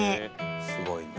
「すごいな」